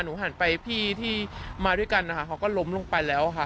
หันไปพี่ที่มาด้วยกันนะคะเขาก็ล้มลงไปแล้วค่ะ